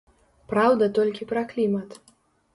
Праўда толькі пра клімат.